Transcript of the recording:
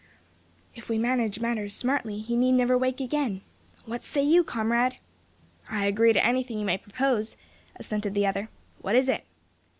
"If we manage matters smartly, he need never wake again. What say you, comrade?" "I agree to anything you may propose," assented the other. "What is it?"